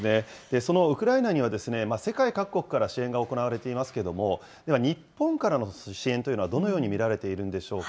そのウクライナには世界各国から支援が行われていますけれども、では日本からの支援というのは、どのように見られているんでしょうか。